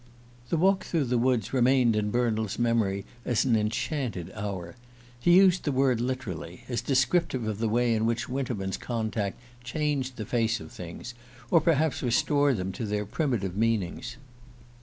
The walk through the woods remained in Bernald's memory as an enchanted hour. He used the word literally, as descriptive of the way in which Winterman's contact changed the face of things, or perhaps restored them to their primitive meanings.